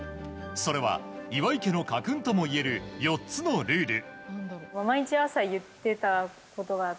それは、岩井家の家訓ともいえる４つのルール。